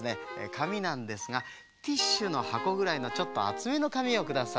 かみなんですがティッシュのはこぐらいのちょっとあつめのかみをください。